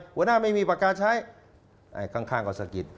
หัวหน้าไม่มีปากกาใช้ข้างก็สะกิด